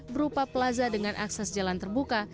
berupa plaza dengan akses jalan terbuka